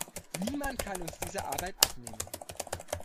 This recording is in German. Niemand kann uns diese Arbeit abnehmen.